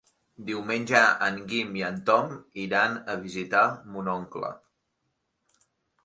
Diumenge en Guim i en Tom iran a visitar mon oncle.